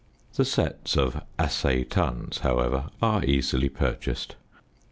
The sets of "assay tons," however, are easily purchased.